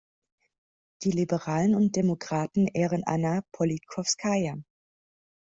Die Liberalen und Demokraten ehren Anna Politkowskaja.